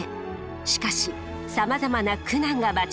しかしさまざまな苦難が待ち構えています。